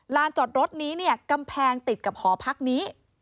จอดรถนี้เนี่ยกำแพงติดกับหอพักนี้